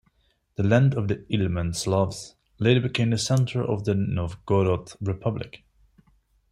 The land of the Ilmen Slavs later became the center of the Novgorod Republic.